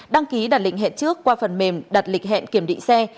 đăng ký đặt lịch hẹn trước qua phần mềm đặt lịch hẹn kiểm định xe